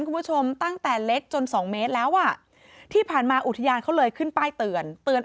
คุณผู้ชมตั้งแต่เล็กจนสองเมตรแล้วอ่ะที่ผ่านมาอุทยานเขาเลยขึ้นป้ายเตือนเตือน